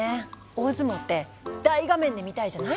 大相撲って大画面で見たいじゃない？